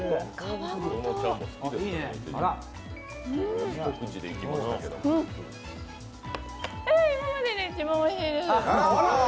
えー、今までで一番おいしいです。